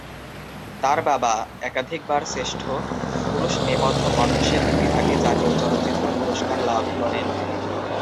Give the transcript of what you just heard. তার বাবা একাধিক বার শ্রেষ্ঠ পুরুষ নেপথ্য কণ্ঠশিল্পী বিভাগে জাতীয় চলচ্চিত্র পুরস্কার লাভ করেন।